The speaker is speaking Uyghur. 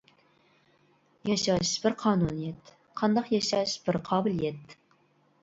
ياشاش بىر قانۇنىيەت، قانداق ياشاش بىر قابىلىيەت!